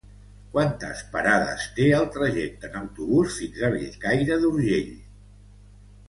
Quantes parades té el trajecte en autobús fins a Bellcaire d'Urgell?